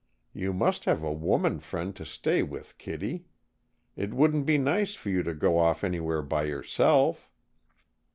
You must have a woman friend to stay with, Kittie. It wouldn't be nice for you to go off anywhere by yourself."